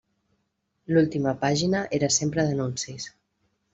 L'última pàgina era sempre d'anuncis.